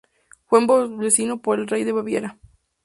Fue ennoblecido por el rey de Baviera.